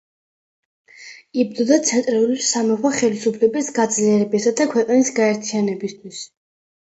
იბრძოდა ცენტრალური სამეფო ხელისუფლების გაძლიერებისა და ქვეყნის გაერთიანებისათვის.